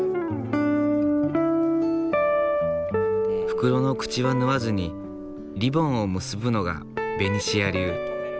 袋の口は縫わずにリボンを結ぶのがベニシア流。